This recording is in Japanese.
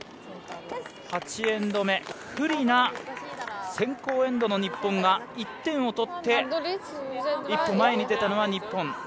８エンド目不利な先攻エンドの日本が１点を取って一歩前に出たのは日本。